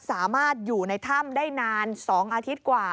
สามารถอยู่ในถ้ำได้นาน๒อาทิตย์กว่า